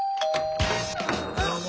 どうも。